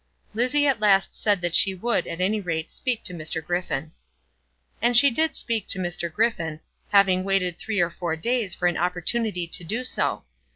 Lizzie at last said that she would, at any rate, speak to Sir Griffin. And she did speak to Sir Griffin, having waited three or four days for an opportunity to do so.